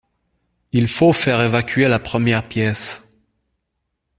Il faut faire évacuer la première pièce!